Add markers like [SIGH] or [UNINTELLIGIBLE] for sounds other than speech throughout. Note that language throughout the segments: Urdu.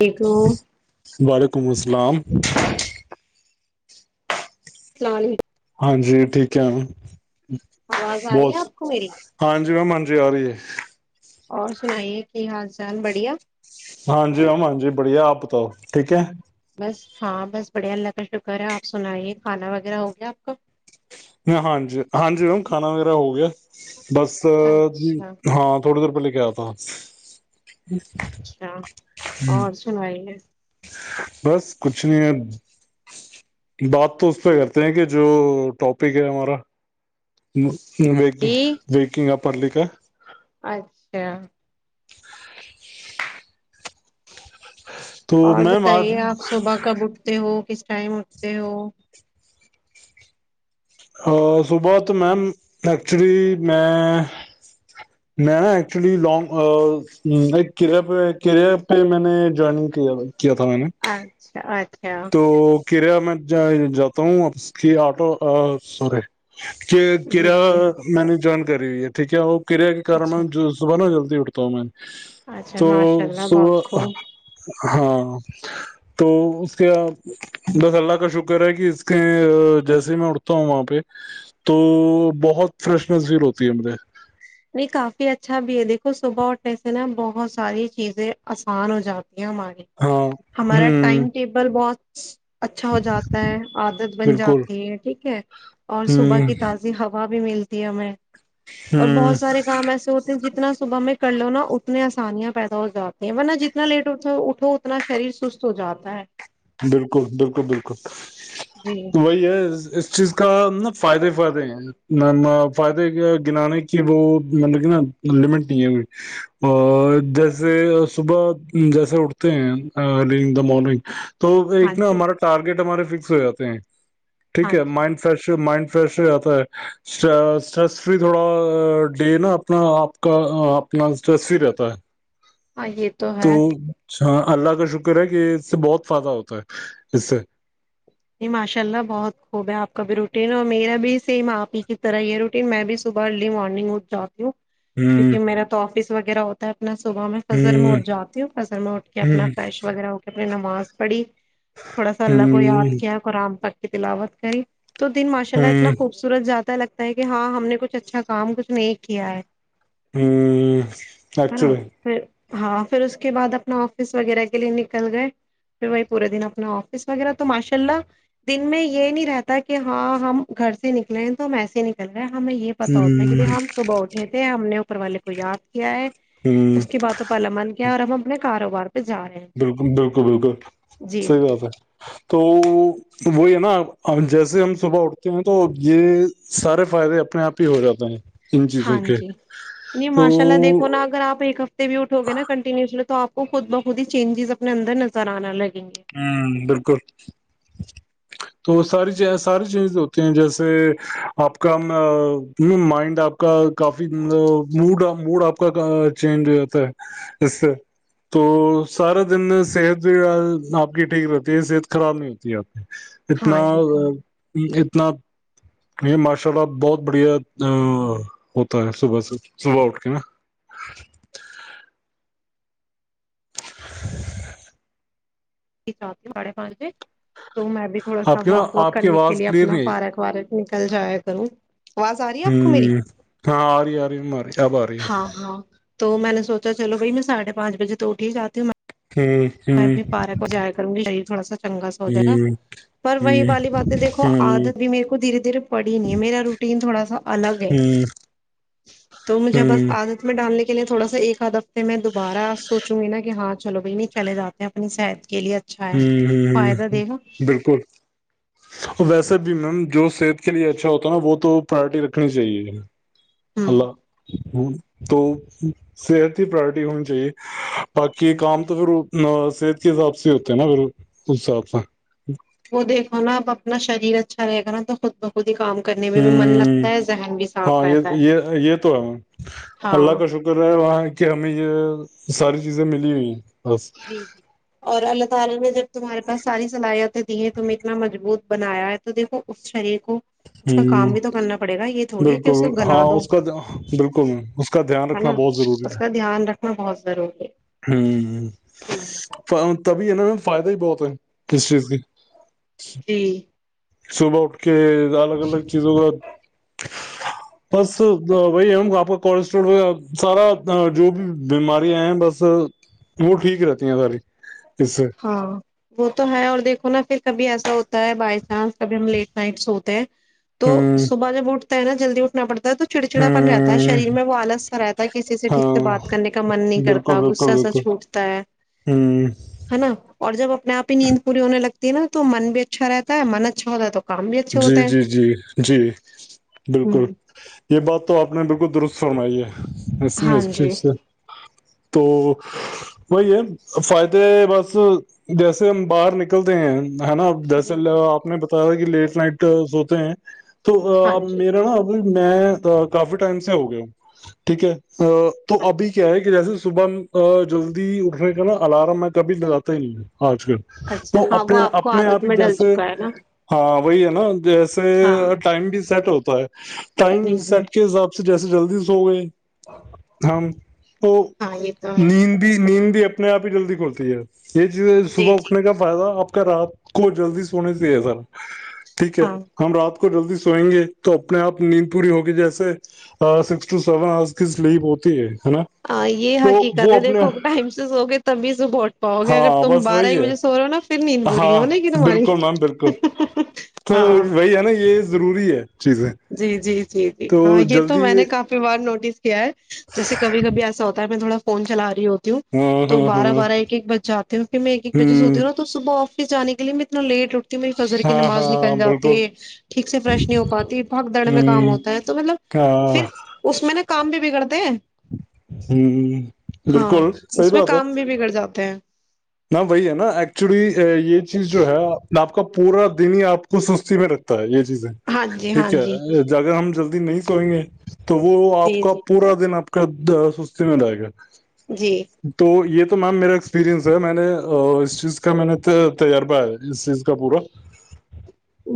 ایکھو وعلیکم السلام السلام علیکم ہاں جی ٹھیک ہے آواز آ رہی بہت ہے آپ کو میری ہاں جی میںی من جی آ رہی ہے چان بڑھیا ہاں جی ام ہاں جی بڑھیا آپ بتاؤ ٹھیک ہے ہاں بس بڑھیا اللہ کا شکر ہے آپ سنائیے کھانا وغیرہ ہو گیا آپ کا میں ہاں جی ہاں جی رم کھانا وغیر ہو گیا بس اچھا ہاں تھوڑی دیر پہلے کیا تھا اچھا اور سنائی ہے بس کچھ نہیں ہے بات تو اس پہ کرتے ہیں کہ جو ٹاپک ہے ہمارا و جی ویکنگ پڑلی کاا اچھا تو اور میم آج بتائیے آپ صبح کب اٹھتے ہو کس ٹائم اٹتے ہو صبح تو میم ایکچولی میں میں ایکچولی لانگ پہ کریا پہ میں نے جوائننگ کیا تھا میں نے اچھا اچھا تو کریہ میں جاتا ہوں کی آٹو سوری کہ جی جا جی میں نے جان کری ہوئی ہے ٹھیک ہے اور کرریا کی کار اچھا م زبانہ جلد تا ہ میں اچھا تو ماشاء اللہ بہت ص خوب ہاں تو کیا بس اللہ کا شکر ہے کہ اس کے جیسے میں اٹھتا ہوں وہاں پہ تو بہت فریشنیس فیل ہوتی ہے مجھے نہیں کافی اچھا بھی ہے دیکھو صبح اٹھنے سے نا بہت ساری چیزیں آسان ہو جاتی ہم آگے ہاں ہمارا ہوں ٹائم ٹیبل بہت [INAUDIBLE] اچھا ہو جاتا ہے عادت بن بالکل جاتی ہے ٹھیک ہے اور صبح ہوں کی تازی ہوا بھی ملتی ہے ہمیں اور ہوں بہت سارے کام ایسے ہوتے ہیں جتنا صبح میں کر لو نا اتنے آسانیاں پیدا ہو جاتی ہیں ورنہ جتنا لیٹ اٹ اٹھو اتنا شریر سست ہو جاتا ہے بالکل بالکل بالکل جی تو وہی ہے اس چیز کا نا فائدے فائدے ہیں فائدے گنانے کی وہ مطلب کہ نا لمٹ نہیں ہے اور جیسے صبح جیسے اٹھتے ہیں ارلیگ دا مارننگ تو ہاں ایک نا جی ہمارا ٹارگیٹ ہمارے فکس ہو جاتے ہیں ہاں ٹھیک ہے جی مائنڈ فریش مائنڈ فریش رہتا ہے اسس فری تھوڑا ڈے نا اپنا آپ کا اپنا اسٹریس فری رہتا ہے ہاں یہ تو ہے چ ہاں اللہ کا شکر ہے کہ اس سے بہت فائدہ ہوتا ہے اس سے نہیں ماشاء اللہ بہت خوب ہے آپ کا بھی روٹین اور میرا بھی سیم آپ ہی کی طرح ہی روٹین میں بھی صبح ارلی مارننگ ا جا ہ کیونکہ میرا تو آفس وغیرہ ہوتا ہے اپنا صبح میں فجر میں اٹھ ہ جاتی ہوں فجر میں اٹھ کے ہ اپنا فریش وغیرہ ہو اپنی نماز پڑھی تھوڑا سا اللہ کو ہوں یاد قران پک کی تلاوت کری تو دن ماشاء اللہ اتنا ہوں خوبصورت جات سا لگتا ہے کہ ہاں ہم نے کچھ اچھا کام کچھ نہیں کیا ہے ہمم ہے نا ایکچولی پھر ہاں پھر اس کے بعد اپنا آفس وغیرہ کے لیے نکل گئے پھر وہی پورے دن اپنا آفس وغیرہ تو ماشا لہ دن میں یہ نہیں رہتا کہ ہاں ہم گھر سے نکلے ہیں تو ہم ایسے ہی نکل ہمیں یہ پتا ہوتا ہے کہ ب ہوں ہم صبح اٹھے تھے ہم نے اپروالے کوئی یاد کیا ہے ہوں اس کے بعد تو پارلیمن کیا اور رہا ہم اپنے کاروبار پہ جا رہے ہیں بلکل بلکل بلکل جی صحیح جی بات ہے تو وہی یہ نا جیسے ہم صبح اٹھتے ہیں تو یہ سارے فائدے اپنے آپ ہی ہو جاتے ہیں ان چیزوں ہاں کے جی جی تو ماشاء اللہ دیکھو نا اگر آپ ایک ہفتے بھی اٹھو گے نا کنٹینیسلی تو آپ کو خود بخود ہی چینجیز اپنے اندر نظر آنا لگے ہمم بلکل تو ساری ساری چیزز ہوتی ہیں جیسے آپ کا مائنڈ آپ کا کافی ا مڈ مڈ آپ چینج ہو جاتا ہے اس سے تو سارا دن صحت بھی آپ کی ٹھیک رہتی ہے صحت خراب نہیں ہوتی اب ہاں اتنا یہ تو میں [INAUDIBLE] یہ ماشاء اللہ بہت بڑھیا ہوتا ہے صبح سے صبح اٹھ کے نا [INAUDIBLE] رات کےساڑھے پانچ بجے تو میں بھی تھوڑا سا آپ کی نا واک واک آپ کی کرنے کے آواز لیے کلیئر اپنا نہیں پارک وارک نکل جاائے کروں آواز آ رہی ہے آپ کو میری ہمم ہاں آ رہی آ رہی آری اب آ رہی ہے ہاں ہاں تو میں نے سوچا چلو بھائی میں ساڑھے پانچ بجے تو اٹھ ہی جاتی ہوں ہ ہ میں بھی پارک ہو جایا کروں گی شریر تھوڑا سا چنگا سا ہو جائے گا ہ پر وہی والی باتیں دیکھو ہ آدت بھی میرے کو دھیرے دھیرے پڑی نہیں ہے میرا روٹین تھوڑا سا الگ ہ ہے ہ تو مجھے بس ہوں عدت میں ڈالنے کے ے تھوڑا ایکاادھف ت میں دوبارہ سوچوں گی نا ہاں چلو بھائی نہیں چلے جاتے ہیں اپنی ساید ہمم ہمم ہمم بلکل ویسے بھی میم جو صحت کے لیے اچھا ہوتا ہے نا وہ تو پرورٹی رکھنی چاہیے ہوں اللہ ہ تو صحت کی پراورٹی ہونی چاہیے باقی یہ کام تو پھر ا [UNINTELLIGIBLE] صحت کی حساب سے ہو تو میںگرص [UNINTELLIGIBLE] وہ دیکھو نا اب اپنا شریر اچھا رہے گا نا تو خود بخود ہی کام کرنے میں بھی من ہوں لگتا ہے ذہن بھی صاف ہاں رہتا یہ ہے یہ یہ تو ہے اللہ ہاں کا شکر ہے وہاں کہ ہمیں یہ ساری چیزیں ملی ہوئی ہیں بس جی جی اور اللہ سال میں جب تمہارے پاس ساری صلاحتیں دی ہیں تمیں اتنا مضبوط بنایا ہے تو دیکھو اس شریر کو ہ اس کا کام بھی تو کرنا پڑے گا یہ تھوڑی ہے کہ بالکل اسے گلا ہاں دو اس کا بالکل اس کا دھیان رکھنا بہت ضروری ہے ضوری ہ تبھی ان میں فائدہ ہی بہت ہے اس چیز کی جی صبح اٹھ کے الگ الگ چیزوں کا بس وہی ہم آپ کا کولسٹرول وہ سارا جو بھی بیماریاں ہیں بس وہ ٹھیک رہتی ہیں ساری اس سے ہاں وہ تو ہے اور دیکھو ہوناا پھر کبھی ایسا ہوتا ہے بائی چانس کبھی ہم ل لیٹ نائٹس سوتے ہیں تو ہوں صبح جب اٹھتے تو نا جلدیٹھناڑتا تو چڑچڑا پن رہتا ہے ہوں شریر میں وہ آلس سا رہتا ہے کسی سے ٹھیک ہاں سے بات کرنے کا من نہیں بالکل کرتا بالکل غصہ سا بالکل چھوٹتا ہے ہوں ہے نا اور جب اپنے آپ ہی نیند پوری ہونے لگتی دینا تو من بھی اچھا رہتا ہے من اچھا ہوتا تو کام بھی اچھے جی ہوتے ہیں جی جی جی ہوں بالکل یہ بات تو آپ نے بالکل درست فرمائی ہے اسے ہاں اچھا جی اچھا تو وہی ہے فائدے بس جیسے ہم باہر نکلتے ہیں ہے نا ا جسے جی جی آپ نے بتایا کہ لیٹ [UNINTELLIGIBLE] ہوتے ہیں ہاں توب جی میرا نا اب میں کافی ٹائم سے ہو گیا ہوں ٹھیک ہے ا تو ہاں ابھی جی کیا ہے کہ جیسے صبح جلدی اٹھنے کا نا الارم ہے کبھی لگاتا ہی نہیں آج کل اچھا تو ہاں وہ اپنے کو اپنے عادت آپ ہی میں ڈل جیسے چکا ہے نا ہاں وہی ہے نا جیسے ہاں ٹائم بھی سیٹ ہوتا پر [UNINTELLIGIBLE] ٹائم جی جی سیٹ کے حساب سے جیسے جلدی سو گئے ہم تو ہاں یہ تو ہے نیند بھی نیند اپنے آپ ہی جلدی کھلتی ہے یہ چیزیں جی صبح جی اٹھنے کا فائد تھا کر رات کو جلدی سونے سے یہ سر ٹھیک ہے ہاں ہم رات کو جلدی سوئیں گے تو اپنے آپ نیند پوری ہوگی جیسے سکسٹن سیون ہورس کی سلیپ ہوتی ہے ہے نا ہاں یہ تو حقیقت وہ ہے اپنے دیکھو ٹائم سے سو گے تبھی سے ووٹ پاؤ گے اگر ہاں تم بس بارہ وہی ایک ہے بجے سو رہے ہو نا پھر نیند بورریی ہاں ہونے کی تمہاری بالکل میم بالکل تو ہاں وہی ہے نا یہ ضروری ہے ج [UNINTELLIGIBLE] جی جی جی ہاں یہ تو میں نے کافی بار نوٹس کیا ہے جیسے کھی کبھی ایسا ہوتا ہے میں تھوڑا فون چلا رہی ہو ہ ہاں تو ہاں ہاں بارہ بارہ ایک ایک بج جاتی ہوں پھر میں ایک ایک بجے سے ہوتی ہوں نا تو صبح ف جان کے لیے میں اتنا لیٹ رٹک میری فضر کی ہاں نماز ہاں نکل جاتی بالکل ہے ٹھیک سے فریش نہیں ہو پاتی بھگ دڑ میں کام ہ ہوتا ہے تو مطلب ہاں پھر اس میں نا کام بھی بگڑتے ہیں ہوں ہاں بالکل صی اس میں بات ہے کام بھی بگڑ جاتے ہیں ن وہی ہے نا ایکچولی یہ چیز جو ہے آپ کا پورا دن ہی آپ کو سستی میں رکھتا ہے یہ جیز ہاں جی ہاں ٹھیک جی ہے جگہ ہم جب نہیں سوئیں گے تو وہ جی آپ کا جی پورا دن اپ کد سستی میں لائے گیا جی تو یہ تو تو میم میرا ایکسپرینس س میں نے اس چیز کا میں نے تجربہ اس چیز کا پورا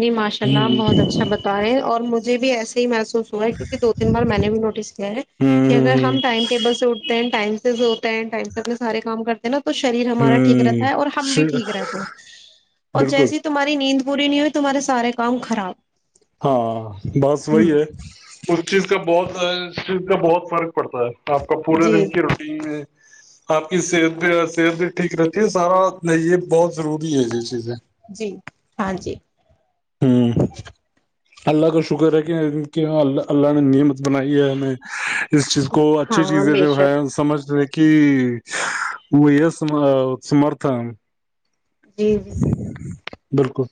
جی ماشاء ہ اللہ بہت اچھا بتا رہے ہیں اور مجھ ج بھی ایسے ہی م و ہوا ہے کیکہ دو تین بار میں نے بھی نوٹس کیا ہے کہ اگر ہم ٹائم ٹیبل سے اٹتے ہیں ٹائم سے جو ہوتا ہیں ٹائم سے اپنے سارے کام کرتے ہیں نا شریر ہ ہمارا ٹھیک رہتا ہے اور ہم ہ بھی ٹھیک رہتے ہیں اور بالکل جیسی تمہاری نیند پوری ہو تمہارے سارے کام خراب ہاں بس ہ وہی ہے اس چیز کا بہت اس چیز کا بہت فرق پڑتا ہے آپ کا پورے جی دن کی روٹین میں آپ کی صحت بھی صحت بھی ٹھیک رہتی ہے سارا یہ بہت وہ بھی ہے یہی چیز ہے جی ہاں جی ہوں اللہ کا شکر ہے کہ اللہ اللہ نے نیم بنائی ہے ہمیں اس چیز کو ہاں اچھی ہاں چیزیں بے جو ہے شک سمجھ ل کہ وہ یہ سمرھن جی جی ج بالکل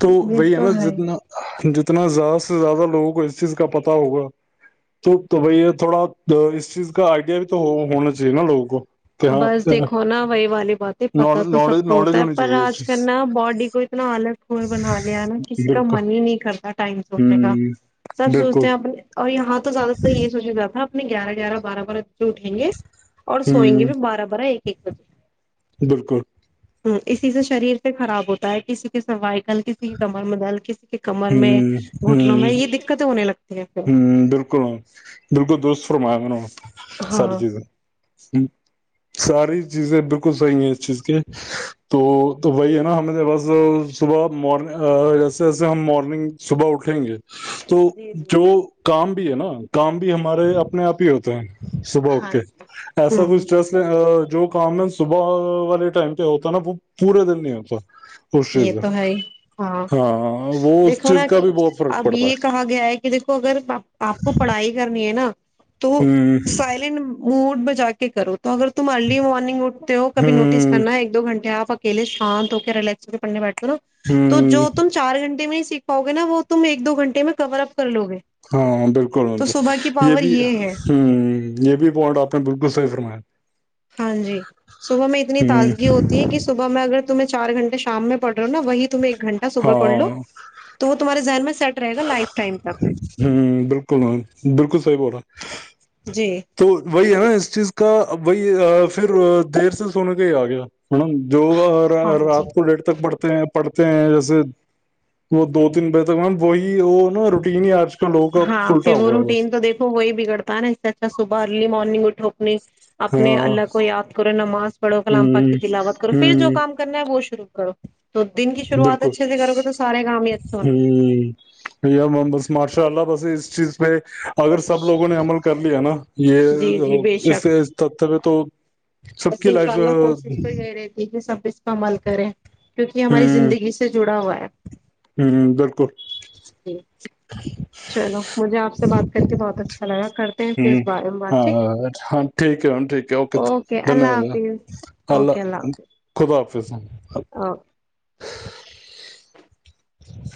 تو یہ وہی تو ای ہے دتنا اتنا زیادہ سے زیادہ لوگوں کو اس چیز کا پتا ہوگا تو تو بھائی تھوڑا اس چیز کا آئیڈیا بھی تو ہونا چاہیے نا لوگوں کو کہ ہاں بس دیکھو نا وہی والی باتیں پتا تو سب نالج کو نالج ہوتا ہے ہونی پر چاہیے اس آج کل چیز نا باڈی کو اتنا الگ کئے بنا لیا نا کسی کا بالکل من ہی نہیں کرتا ٹائم سوٹنے کا ہوں سب بالکل سوچتے ہیں اپنے اور ہاں تو زیادہ ت یہ سوج رہا تھا اپنے گیارہ گیارہ بارہ بارہ اے اٹھیں گے سوئیں گے ہوں بھی بارہ بارہ ایک ایک بجے بالکل ہ اسی سے شریر سے خراب ہوتا ہے کسی کے سوائیکل کسی کی کمل مدل کسی کمر میں ہوں گھٹنوں میں ہوں یہ دقتیں ہونے لگ ہوں بالکل بالکل دوست فرمگوں ساری ہاں چیز ہ ساری چیزیں بالکل صحیح ہیں اس چیز کے تو تو وہی ہے نا ہمیں بس صبح مار جیسے جیسے ہم مارننگ صبح اٹھیں گے تو جی جی جو کام بھی ہے نا کام بھی ہمارے اپنے آپ ہی ہوتے ہیں صبح اٹھ ہاں کے جی ایسا کوئی ہوں اسٹریس جو کام ہے صبح والے ٹائم پہ ہوتا ہے نا وہ پورے دن نہیں ہوتا اس یہ چیز تو کا ہے ہاں ہاں وہ اس دیکھو چیز نا کا کہ بھی بہت فرق اب پڑتا ہے یہ کہا گیا ہے کہ دیکھو اگر آپ کو پڑھائی کرنی ہے نا تو ہوں سائلینٹ موڈ بجا کے کرو تو اگر تم ارلی مارنگ اٹھتے ہو کبھی نوٹس ہوں کرنا ایک دو گھنٹے آپ کےے شانت ہو کے رس پل [UNINTELLIGIBLE] نا تو ہوں جو تم چار گھنٹے میں سیککھاؤ گےا وہ تم ایک دو گھٹے میں کور اپ کر لو گے ہاں بالکل تو بالکل صبح کی یہ پاور بھی ہ ہے یہ بھی پوائنٹ آپ نے بالکل صحیح فرمایا ہاں جی صبح میں اتنی ہوں تازگی ہوتی ہے کہ صبح میں اگر تمہیں چار گھنے شام میں پڑ رہا ہو نا وہی تمہیں ایک گنٹہ صبح پڑ لو ہاں تو وہ تمہارے ذن میں سیٹ رہے گا لائف ٹائم تک ہوں بالکل ہاں بالکل صحب اورڑا [UNINTELLIGIBLE] جی تو وہی ہے اس چیز کا بی پھر دیر سے سن کے ہی آ گیا م جو ہاں رات جی کو ڈیڑھ تک پڑھتے ہیں پڑھتے ہیں جیسے وہ دو تین بجے تک وہی وہ نا روٹین ہی آ ہاں پھر وہ روٹین تو دیکھو وہی بگڑتا ہے نا اس سے اچھا س برلی مارنگ اٹھو اپنی اپنے ہاں اللہ کو یاد کرو نماز پڑو کلام پک ہوں کی تلاوت کرو ف پھر جو ہوں کام کرنا ہے وہ شروع کرو [UNINTELLIGIBLE] شروعات بالکل اچھے سے کرو گے تو سارے کام ہی اچھے ہونے ہیں ہیا بس ماشاء اللہ بس اس چیز پہ اگر سب لوگوں نے عمل کر لیا ہے نا جی یہ اس تت پہ تو سب بس کی انشاء لائف اللہ ہ کوشش تو یہی رہتی ہے کہ سب مل کریں کیوںکہ ہماری ہ زندگی سے جڑا ہوا ہے بالکل ج چلو مجھے آپ سے بات کر کے بہت اچھا لگا کرتے ہیں پ ہ بارہ بار ہاں ٹھیک ہاں ٹھیک ہے میم ٹھیک ہے اوکے دھنیہ اللہ واد حافظ اللہ خوب اس [UNINTELLIGIBLE] ا [INAUDIBLE] [UNINTELLIGIBLE] [INAUDIBLE] [INAUDIBLE] ج [INAUDIBLE] [UNINTELLIGIBLE]